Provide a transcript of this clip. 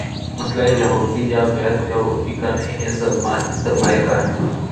مسئلہ یہودی یا غیر یہودی کا نہیں، سرمائے کا ہے۔